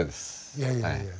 いやいやいやいや。